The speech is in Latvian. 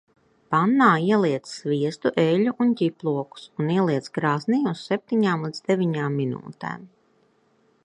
Pannā ieliec sviestu, eļļu un ķiplokus un ieliec krāsnī uz septiņām līdz deviņām minūtēm.